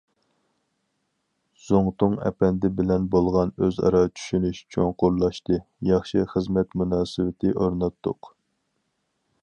زۇڭتۇڭ ئەپەندى بىلەن بولغان ئۆزئارا چۈشىنىش چوڭقۇرلاشتى، ياخشى خىزمەت مۇناسىۋىتى ئورناتتۇق.